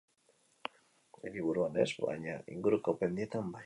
Hiriburuan ez, baina inguruko mendietan bai.